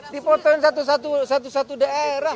dipotongin satu satu satu satu daerah